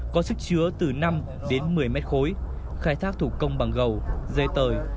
có sức chứa từ năm đến một mươi mét khối khai thác thủ công bằng gầu dây tời